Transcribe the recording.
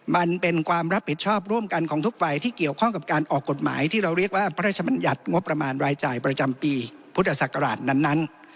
มันเป็นความรับผิดชอบร่วมกันของทุกฝ่ายที่เกี่ยวข้องกับการออกกฎหมายที่เราเรียกว่าพระราชบัญญัติงบประมาณรายจ่ายประจำปีพุทธศักราชนั้น